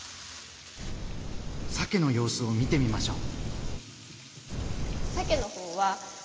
さけの様子を見てみましょう。